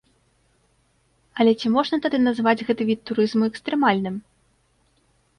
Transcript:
Але ці можна тады назваць гэты від турызму экстрэмальным?